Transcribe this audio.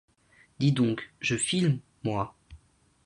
Dis donc, je file, moi.